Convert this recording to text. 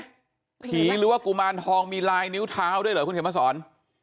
ผีหรือว่ากุมารทองมีลายนิ้วเท้าด้วยเหรอคุณเขียนมาสอน